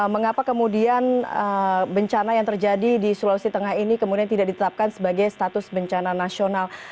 mengapa kemudian bencana yang terjadi di sulawesi tengah ini kemudian tidak ditetapkan sebagai status bencana nasional